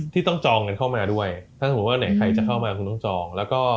ที่ต้องจองเงินเข้ามาด้วยถ้าเอาไหนใครจะเข้ามาคุณจอง